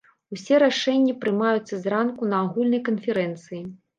Усе рашэнні прымаюцца зранку на агульнай канферэнцыі.